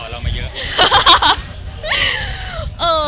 มันคิดว่าจะเป็นรายการหรือไม่มี